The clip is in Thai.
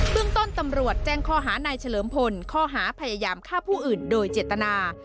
ต้นตำรวจแจ้งข้อหานายเฉลิมพลข้อหาพยายามฆ่าผู้อื่นโดยเจตนา